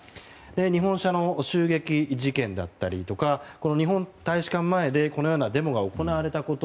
日本車の襲撃事件だったり日本大使館前でデモが行われたこと